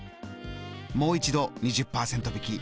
もう一度２０％引き。